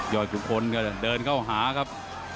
ทุกคนก็เดินเข้าหาครับ